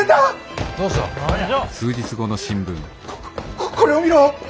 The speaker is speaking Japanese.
ここれを見ろ！